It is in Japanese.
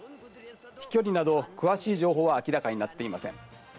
飛距離など詳しい情報は明らかになっていません。